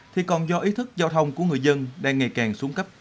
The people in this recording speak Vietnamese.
thì còn do ý thức giao thông của người dân đang ngày càng xuống cấp